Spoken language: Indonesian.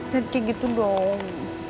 nek kayak gitu dong